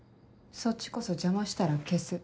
そっちこそ邪魔したら消す。